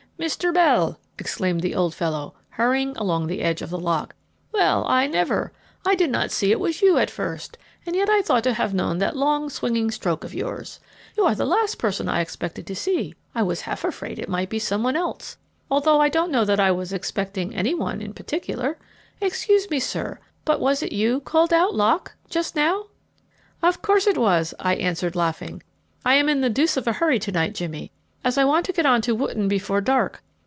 "Mr. Bell!" exclaimed the old fellow, hurrying along the edge of the lock. "Well, I never! I did not see it was you at first, and yet I ought to have known that long, swinging stroke of yours. You are the last person I expected to see. I was half afraid it might be some one else, although I don't know that I was expecting any one in particular. Excuse me, sir, but was it you called out 'Lock' just now?" "Of course it was," I answered, laughing. "I'm in the deuce of a hurry to night, Jimmy, as I want to get on to Wotton before dark.